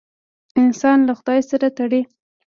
انسان له خدای سره تړي.